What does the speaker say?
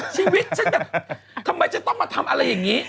ชีวิตฉันแบบทำไมจะต้องมาทำอะไรอย่างนี้